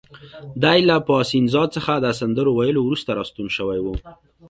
دی له پایسنزا څخه د سندرو ویلو وروسته راستون شوی و.